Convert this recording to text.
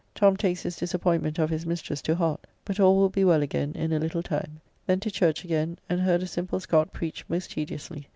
Tom takes his disappointment of his mistress to heart; but all will be well again in a little time. Then to church again, and heard a simple Scot preach most tediously.